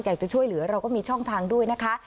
อยากจะช่วยเหลือเราก็มีช่องทางด้วยนะคะ